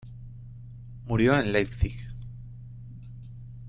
Murió en Leipzig.